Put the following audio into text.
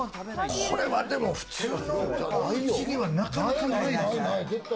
これはでも普通のおうちはなかなかないですよ。